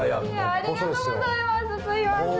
ありがとうございますすいません。